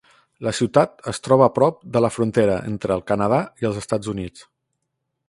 La ciutat es troba a prop de la frontera entre el Canadà i els Estats Units.